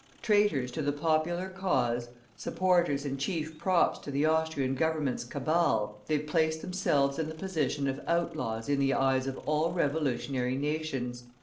Traitors to the popular cause, supporters and chief props to the Austrian Government's cabal, they placed themselves in the position of outlaws in the eyes of all revolutionary nations.